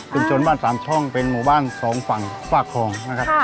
เป็นชนบ้านสามช่องเป็นหมู่บ้านสองฝั่งฝากคลองนะครับ